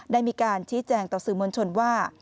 ได้มีการชี้แจงต่อสื่อมวลชนว่า